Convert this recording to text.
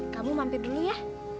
kamu mampir dulu ya